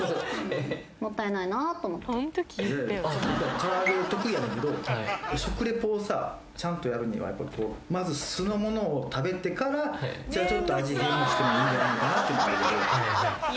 唐揚げ得意やねんけど食リポをさちゃんとやるにはまず素のものを食べてからちょっと味変してもいいんじゃないのかなっていうのはあるけど。